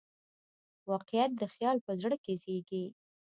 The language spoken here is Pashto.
واقعیت د خیال په زړه کې زېږي.